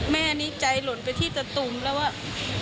แม่นี่ใจหล่นไปที่ตะตูมแล้วอะ